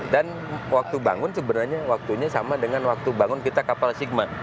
dan waktu bangun sebenarnya sama dengan waktu bangun kita kapal sigma